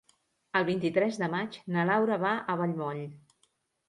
El vint-i-tres de maig na Laura va a Vallmoll.